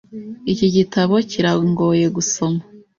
Iki gitabo kirangoye gusoma .